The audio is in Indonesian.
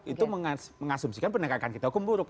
itu mengasumsikan penegakan kita hukum buruk